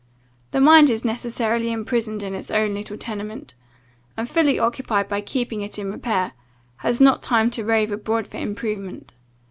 The mind is necessarily imprisoned in its own little tenement; and, fully occupied by keeping it in repair, has not time to rove abroad for improvement.